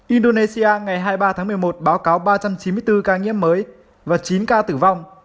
indonesia ngày hai mươi ba tháng một mươi một báo cáo ba trăm chín mươi bốn ca nhiễm mới và chín ca tử vong